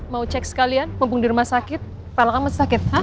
mau cek sekalian mumpung di rumah sakit kepala kamu masih sakit